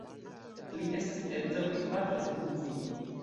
Li estas edzo kaj patro de unu filo.